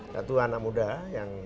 satu anak muda yang